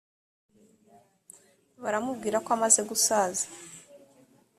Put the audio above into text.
baramubwira ko amaze gusaza